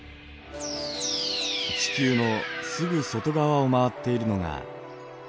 地球のすぐ外側を回っているのが火星です。